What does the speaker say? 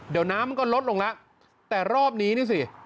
เดี๋ยวน้ำมันก็ลดลงแล้วแต่รอบนี้นี่สิ